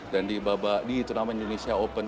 dan di turnamen indonesia open